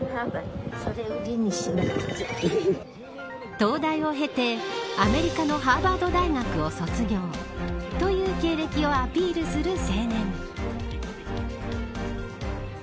東大を経てアメリカのハーバード大学を卒業という経歴をアピールする青年。